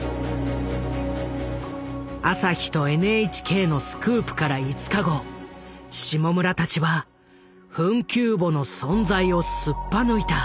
朝日とＮＨＫのスクープから５日後下村たちは「墳丘墓」の存在をすっぱ抜いた。